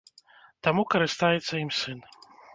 Таму карыстаецца ім сын.